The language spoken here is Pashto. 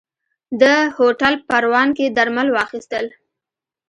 ده هوټل پروان کې درمل واخيستل.